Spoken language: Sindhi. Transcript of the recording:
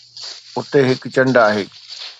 اتي هڪ چنڊ آهي